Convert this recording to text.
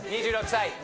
２６歳！